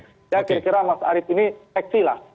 saya kira kira mas arief ini teksi lah